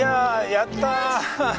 やった！